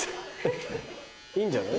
いいんじゃない？